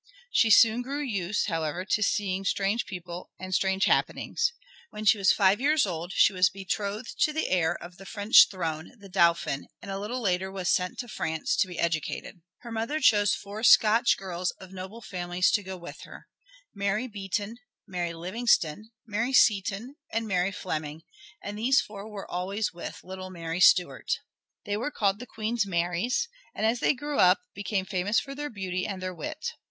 She soon grew used, however, to seeing strange people and strange happenings. When she was five years old she was betrothed to the heir of the French throne, the Dauphin, and a little later was sent to France to be educated. Her mother chose four Scotch girls of noble families to go with her, Mary Beaton, Mary Livingston, Mary Seton, and Mary Fleming, and these four were always with little Mary Stuart. They were called the "Queen's Maries," and as they grew up became famous for their beauty and their wit.